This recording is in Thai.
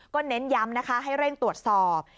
เน้นย้ำนะคะให้เร่งตรวจสอบ